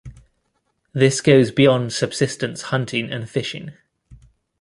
This goes beyond subsistence hunting and fishing.